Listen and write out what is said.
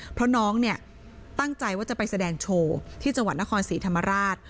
เพราะน้องเนี่ยตั้งใจว่าจะไปแสดงโชว์ที่จังหวัดนครศรีธรรมราช